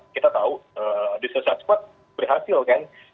kita tahu di sesat spot berhasil kan